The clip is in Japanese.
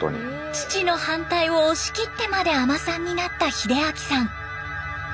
父の反対を押し切ってまで海人さんになった秀明さん。